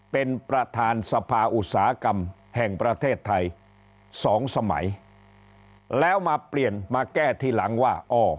เป็นประธานสภาอุตสาหกรรมแห่งประเทศไทยสองสมัยแล้วมาเปลี่ยนมาแก้ทีหลังว่าอ๋อ